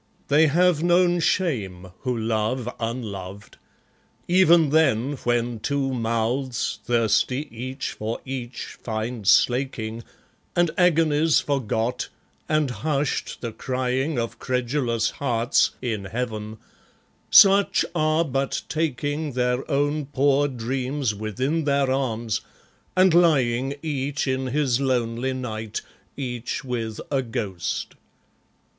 They have known shame, who love unloved. Even then, When two mouths, thirsty each for each, find slaking, And agony's forgot, and hushed the crying Of credulous hearts, in heaven such are but taking Their own poor dreams within their arms, and lying Each in his lonely night, each with a ghost.